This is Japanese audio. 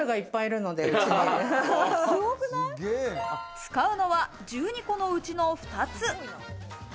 使うのは１２個のうちの２つ。